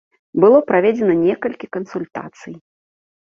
Было праведзена некалькі кансультацый.